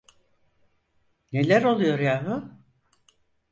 Neler oluyor yahu?